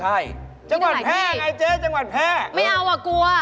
ใช่จังหวัดแพ้ไงเจ๊จังหวัดแพ้โอ้โฮไม่เอากลัว